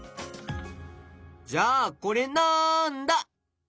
じゃあこれなんだ？